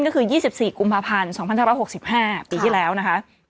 ก็คือ๒๔กุมภาพันธ์